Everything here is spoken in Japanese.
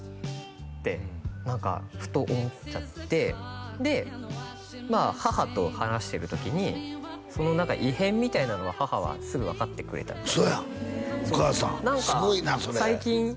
って何かふと思っちゃってでまあ母と話してる時にその何か異変みたいなのは母はすぐ分かってくれたみたいで嘘やお母さんすごいなそれ「何か最近」